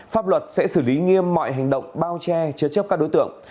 pháp luật sẽ xử lý nghiêm mọi hành động bao che chứa chấp các đối tượng